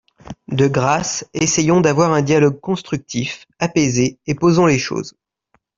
De grâce, essayons d’avoir un dialogue constructif, apaisé, et posons les choses.